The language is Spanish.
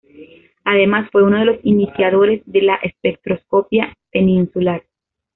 Además, fue uno de los iniciadores de la espectroscopia peninsular.